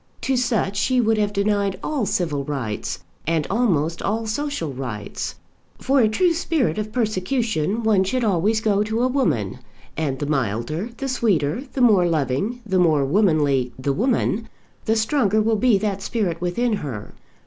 To such she would have denied all civil rights, and almost all social rights. For a true spirit of persecution one should always go to a woman; and the milder, the sweeter, the more loving, the more womanly the woman, the stronger will be that spirit within her.